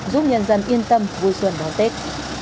giúp nhân dân yên tâm vui xuân đón tết